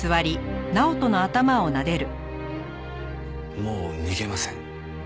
もう逃げません。